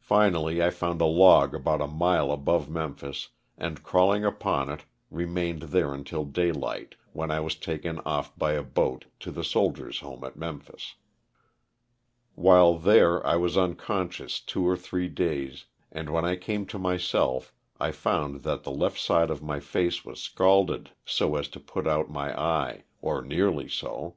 Finally I found a log about a mile above Memphis and crawling upon it remained there until daylight, when I was taken off by a boat to the Soldiers' Home at Memphis. While there I was unconscious two or three days, and when I came to myself I found that the left side of my face was scalded so as to put out my eye, or nearly so.